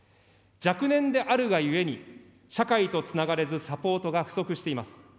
若年であるがゆえに、社会とつながれず、サポートが不足しています。